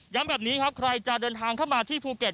แบบนี้ครับใครจะเดินทางเข้ามาที่ภูเก็ต